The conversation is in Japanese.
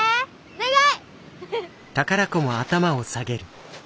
お願い！